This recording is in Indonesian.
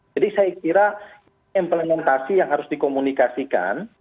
jadi saya kira implementasi yang harus dikomunikasikan